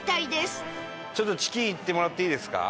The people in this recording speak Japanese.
ちょっとチキンいってもらっていいですか？